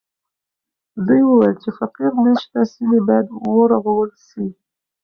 دوی وویل چې فقیر مېشته سیمې باید ورغول سي.